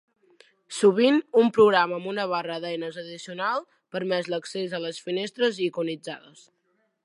Sovint, un programa amb una barra d'eines addicional permet l'accés a les finestres iconitzades.